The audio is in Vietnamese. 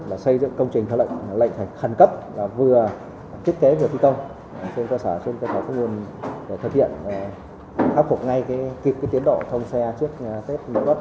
là xây dựng công trình lệnh hành khẩn cấp vừa thiết kế vừa thi công trên cơ sở trên cơ sở phương nguồn thực hiện khắc phục ngay kịp tiến độ thông xe trước tết miễu đất hai nghìn một mươi tám